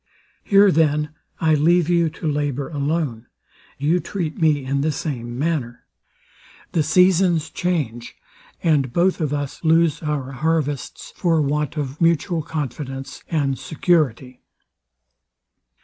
Here then I leave you to labour alone: You treat me in the same manner. The seasons change; and both of us lose our harvests for want of mutual confidence and security.